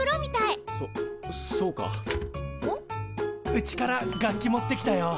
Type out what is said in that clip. うちから楽器持ってきたよ。